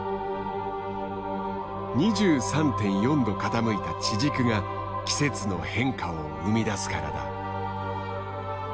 ２３．４度傾いた地軸が季節の変化を生み出すからだ。